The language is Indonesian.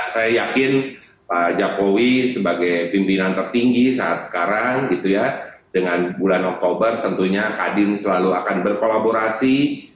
saya yakin pak jokowi sebagai pimpinan tertinggi saat sekarang gitu ya dengan bulan oktober tentunya kadin selalu akan berkolaborasi